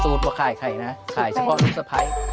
สมมุติว่าขายใครนะขายเฉพาะลูกสะพาย